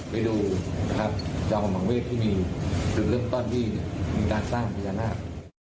ไปดูจังหวังเวทย์ที่มีหรือเริ่มตอนที่มีการสร้างพยานาภ